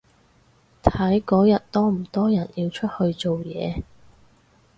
睇嗰日多唔多人要出去做嘢